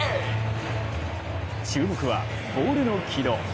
注目はボールの軌道。